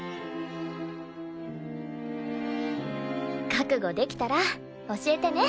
覚悟できたら教えてね？